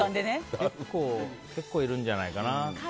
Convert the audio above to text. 結構いるんじゃないかな。